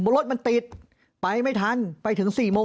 เพราะอาชญากรเขาต้องปล่อยเงิน